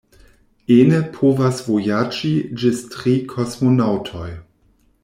Ene povas vojaĝi ĝis tri kosmonaŭtoj.